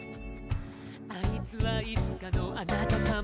「あいつはいつかのあなたかも」